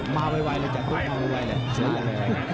มาไวจัดตู้ม้าไวเลย